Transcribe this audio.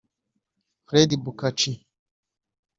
Fred Bukachi